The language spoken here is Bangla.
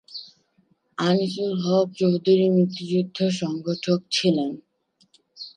আনিসুল হক চৌধুরী মুক্তিযুদ্ধের সংগঠক ছিলেন।